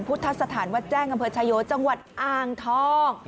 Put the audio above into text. พุทธศาสตร์หัวแจ้งประเภทชายโยชน์จังหวัดอางทอง